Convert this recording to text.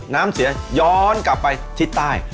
น้ำเสียย้อนกลับไปทิศใต้